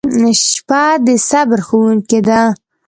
• شپه د صبر ښوونکې ده.